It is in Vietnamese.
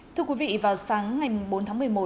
thưa quý vị vào sáng ngày bốn tháng một mươi một